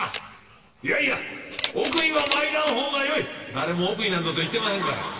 「誰も奥になんぞと言ってませんから。